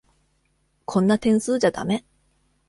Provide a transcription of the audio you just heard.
こんな点数じゃだめ。